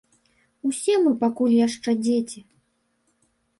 Усе мы пакуль яшчэ дзеці!